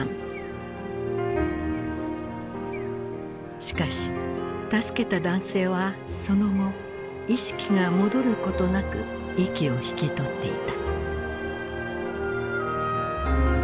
しかし助けた男性はその後意識が戻ることなく息を引き取っていた。